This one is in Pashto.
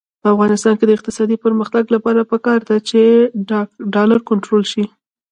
د افغانستان د اقتصادي پرمختګ لپاره پکار ده چې ډالر کنټرول شي.